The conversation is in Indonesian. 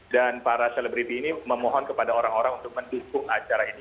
dan para selebriti ini memohon kepada orang orang untuk mendukung acara ini